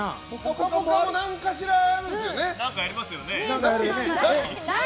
「ぽかぽか」も何かしらあるんですよね。